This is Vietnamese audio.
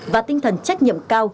và tinh thần trách nhiệm cao